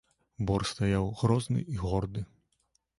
Бор стаяў грозны і горды.